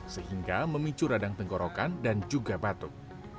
sehingga memicu radang tenggorokan dan juga batuk